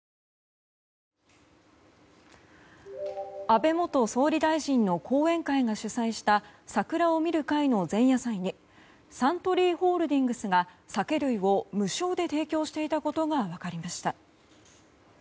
安倍元総理大臣の後援会が主催した桜を見る会の前夜祭にサントリーホールディングスが酒類を無償で提供していたことが分かりました。